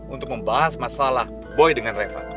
untuk membahas masalah boy dengan reva